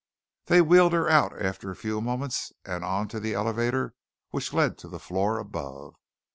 They wheeled her out after a few moments and on to the elevator which led to the floor above.